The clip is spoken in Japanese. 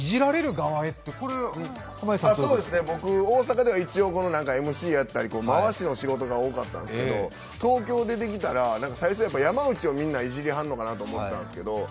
大阪ではＭＣをやったり回しの仕事が多かったんですけど東京出てきたら、最初、山内をみんないじりはるんじゃないかと思ったんですけど